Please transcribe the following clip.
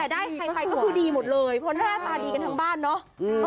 ได้ใครไปก็คือดีหมดเลยเพราะหน้าตาดีกันทั้งบ้านเนาะ